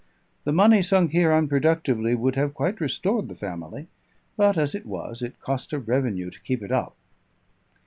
The money sunk here unproductively would have quite restored the family; but as it was, it cost a revenue to keep it up.